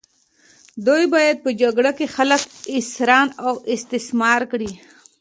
دوی باید په جګړه کې خلک اسیران او استثمار کړي.